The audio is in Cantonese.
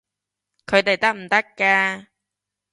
佢哋得唔得㗎？